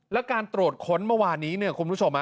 และการตรวจค้นเมื่อนี้คุณผู้ชมอ่ะ